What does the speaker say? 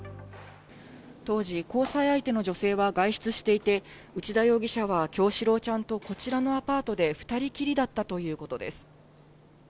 当時、交際相手の女性は外出していて内田容疑者は叶志郎ちゃんとこちらのアパートで２人きりだったということです。